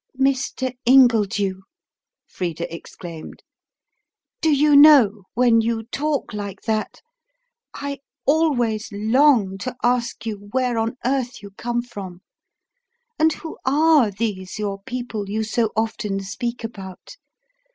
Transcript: "Mr. Ingledew," Frida exclaimed, "do you know, when you talk like that, I always long to ask you where on earth you come from, and who are these your people you so often speak about.